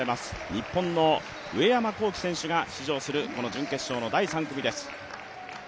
日本の上山紘輝選手が出場する準決勝の第３組です。